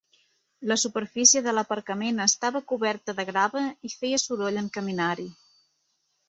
La superfície de l'aparcament estava coberta de grava i feia soroll en caminar-hi.